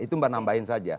itu mbak nambahin saja